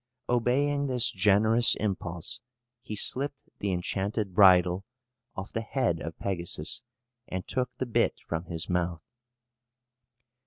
Obeying this generous impulse he slipped the enchanted bridle off the head of Pegasus, and took the bit from his mouth.